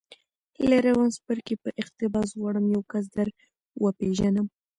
له روان څپرکي په اقتباس غواړم یو کس در وپېژنم